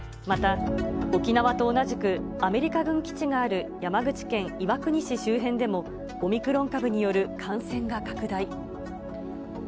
また、沖縄と同じくアメリカ軍基地がある山口県岩国市周辺でも、オミクロン株による感染が拡大。